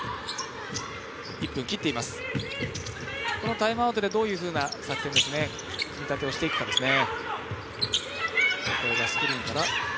タイムアウトでどういうふうな作戦組み立てをしていくかですね。